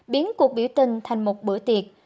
biến cuộc biểu tình thành một bữa tiệc